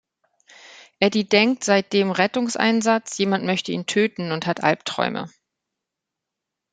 Eddie denkt seit dem Rettungseinsatz, jemand möchte ihn töten, und hat Albträume.